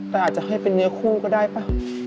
แต่อาจจะให้เป็นเนื้อคู่ก็ได้ป่ะ